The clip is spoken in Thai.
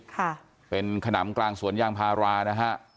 ค่ะเป็นขนำกลางสวนยางพารานะฮะ